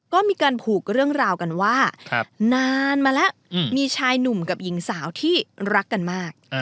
ก็มีการผูกเรื่องราวกันว่านานมาแล้วมีชายหนุ่มกับหญิงสาวที่รักกันมาก